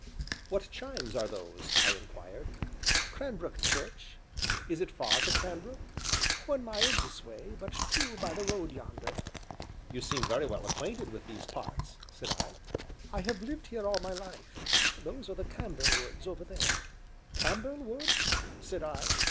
"What chimes are those?" I inquired. "Cranbrook Church." "Is it far to Cranbrook?" "One mile this way, but two by the road yonder." "You seem very well acquainted with these parts," said I. "I have lived here all my life; those are the Cambourne Woods over there " "Cambourne Woods!" said I.